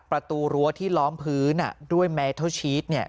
ประตูรั้วที่ล้อมพื้นด้วยแมทัลชีส